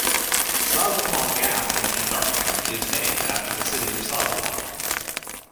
Sozopol Gap in Antarctica is named after the city of Sozopol.